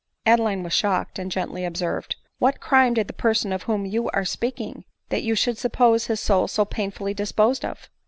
Adeline was shocked, and gently observed, ° what crime did the person of whom you are speaking, that you should suppose his soul so s painfully disposed pf?"